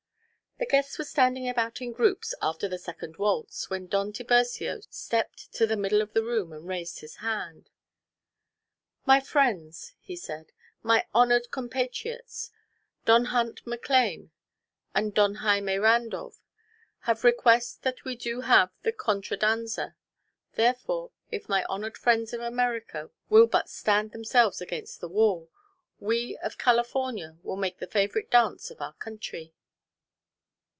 The guests were standing about in groups after the second waltz, when Don Tiburcio stepped to the middle of the room and raised his hand. "My friends," he said, "my honoured compatriots, Don Hunt McLane and Don Jaime Randolph have request that we do have the contradanza. Therefore, if my honoured friends of America will but stand themselves against the wall, we of California will make the favourite dance of our country."